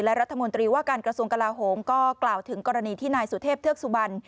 และรัฐมนตรีว่าการกระทรวงกลาโหมก็กล่าวถึงกรณีที่นายสุเทพเทือกสุบัน